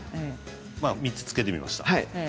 ３つつけてみました。